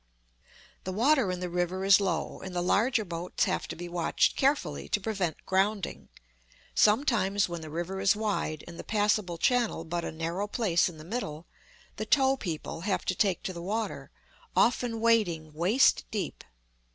The water in the river is low, and the larger boats have to be watched carefully to prevent grounding; sometimes, when the river is wide and the passable channel but a narrow place in the middle, the tow people have to take to the water, often wading waist deep.